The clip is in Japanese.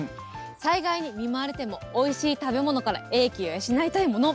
災害に見舞われても、おいしい食べ物から英気を養いたいもの。